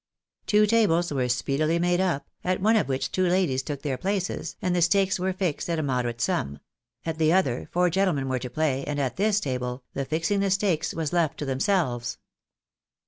Two tables were speedily made up, at one of which two ladies took their places, and the stakes were fixed at a moderate sum ; at the other, four gentlemen were to play, and at this table, the fix ing the stakes was left to themselves.